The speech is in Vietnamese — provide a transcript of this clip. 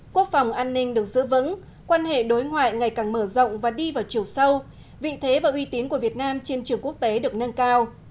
quốc phòng an ninh được giữ vững quan hệ đối ngoại ngày càng mở rộng và đi vào chiều sâu vị thế và uy tín của việt nam trên trường quốc tế được nâng cao